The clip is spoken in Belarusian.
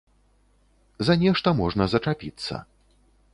За нешта можна зачапіцца.